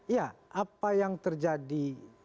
ya apa yang terjadi